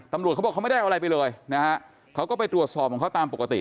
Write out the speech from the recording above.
ตำรวจเขาบอกเขาไม่ได้เอาอะไรไปเลยนะฮะเขาก็ไปตรวจสอบของเขาตามปกติ